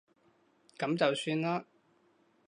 噉就算啦